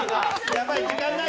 やばい。